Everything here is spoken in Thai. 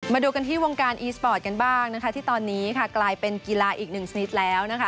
มาดูกันที่วงการอีสปอร์ตกันบ้างนะคะที่ตอนนี้ค่ะกลายเป็นกีฬาอีกหนึ่งชนิดแล้วนะคะ